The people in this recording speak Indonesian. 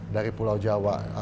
dari pulau jawa